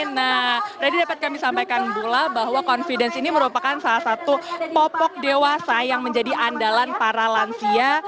nah lady dapat kami sampaikan pula bahwa confidence ini merupakan salah satu popok dewasa yang menjadi andalan para lansia